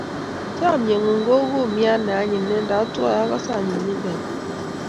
Chonye ng'ung' kou kumyat ne anyiny ne ndatwaa akase anyinyindo nyi